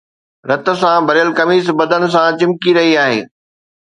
رت سان ڀريل قميص بدن سان چمڪي رهي آهي